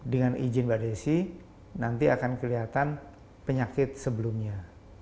dengan izin mbak desi nanti akan kelihatan penyakit sebelumnya